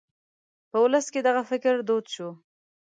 په ولس کې دغه فکر دود شو.